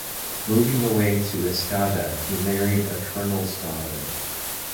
Moving away to Escada, he married a colonel's daughter.